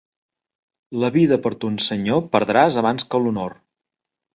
La vida per ton senyor perdràs abans que l'honor.